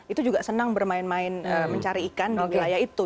itu juga senang bermain main mencari ikan di wilayah itu